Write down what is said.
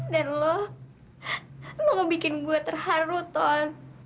dan lo lo bikin gue terharu tony